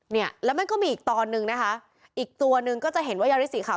เนี่ยแล้วมันก็มีอีกตอนนึงนะคะอีกตัวหนึ่งก็จะเห็นว่ายาริสสีขาว